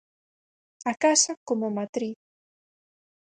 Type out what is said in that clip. A casa como matriz.